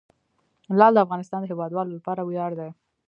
لعل د افغانستان د هیوادوالو لپاره ویاړ دی.